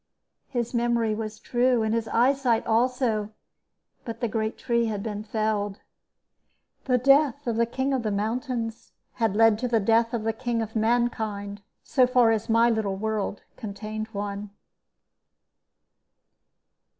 His memory was true, and his eyesight also; but the great tree had been felled. The death of the "King of the Mountains" had led to the death of the king of mankind, so far as my little world contained one.